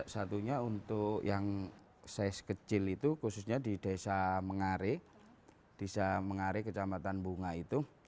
satunya untuk yang size kecil itu khususnya di desa mengare desa mengare kecamatan bunga itu